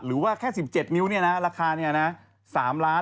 หรือว่าแค่๑๗นิ้วราคา๓ล้าน